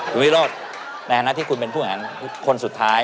คุณวิโรธในหน้าที่คุณเป็นผู้หญิงคนสุดท้าย